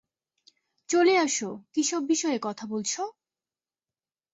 চলে আসো কি সব বিষয়ে কথা বলছো?